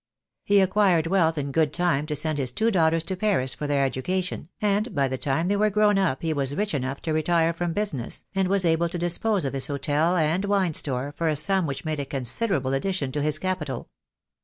He acquired wealth in good time to send his two daughters to Paris for their education, and by the time they were grown up he was rich enough to retire from business, and was able to dispose of his hotel and wine store for a sum which made a consider able addition to his capital.